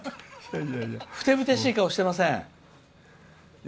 ふてぶてしい顔してません。